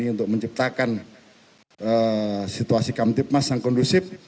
untuk menciptakan situasi kamtipmas yang kondusif